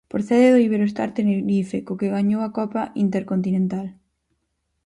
Procede do Iberostar Tenerife, co que gañou a Copa Intercontinental.